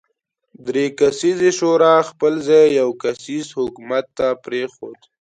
درې کسیزې شورا خپل ځای یو کسیز حکومت ته پرېښود.